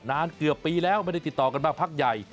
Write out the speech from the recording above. นานเกือบปีแล้วไม่ได้ติดต่อกันมาพักใหญ่